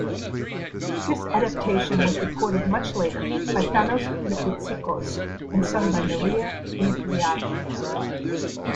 This adaptation was recorded much later by Thanos Mikroutsikos and sung by Maria Dimitriadi.